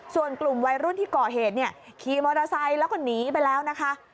ส่วนกลุ่มวัยรุ่นที่ก่อเหตุเนี่ยขี่มอเตอร์ไซค์แล้วก็หนีไปแล้วนะคะ